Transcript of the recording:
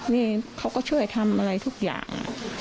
นี่เขาก็ช่วยทำอะไรทุกอย่าง